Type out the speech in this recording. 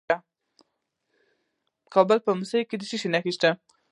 د کابل په موسهي کې څه شی شته؟